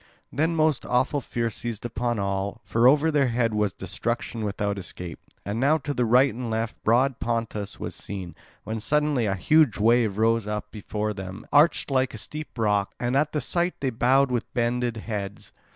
Then most awful fear seized upon all; for over their head was destruction without escape. And now to right and left broad Pontus was seen, when suddenly a huge wave rose up before them, arched, like a steep rock; and at the sight they bowed with bended heads.